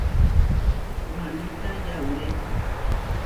Waníta yauré.